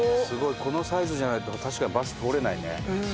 このサイズじゃないと確かにバス通れないね。